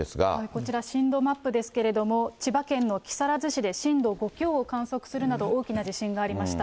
こちら震度マップですけれども、千葉県の木更津市で震度５強を観測するなど、大きな地震がありました。